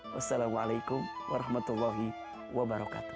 wassalamualaikum warahmatullahi wabarakatuh